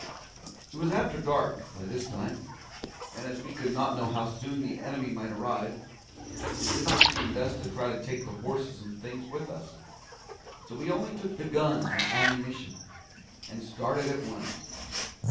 It was after dark by this time, and as we could not know how soon the enemy might arrive, it did not seem best to try to take the horses and things with us; so we only took the guns and ammunition, and started at once.